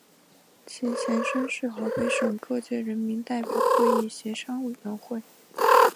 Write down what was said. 其前身是河北省各界人民代表会议协商委员会。